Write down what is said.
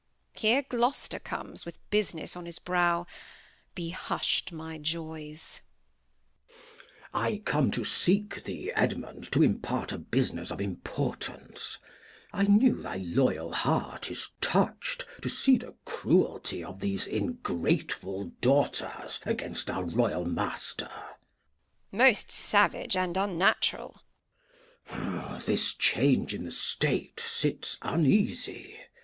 Here Gloster comes With Business on his Brow ; be husht my Joys. [Enter Gloster.] Glost. I come to seek thee, Edmund, to impart a Business of Importance; I knew thy loyal Heart is toucht to see the Cruelty of these ingratefull Daughters against our royal Master Bast. Most Savage and Unnatural. Glost. This Change in the State sits uneasie.